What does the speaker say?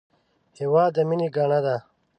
هېواد د مینې ګاڼه ده